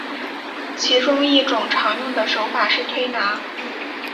其中一种常用的手法是推拿。